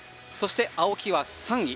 青木は３位。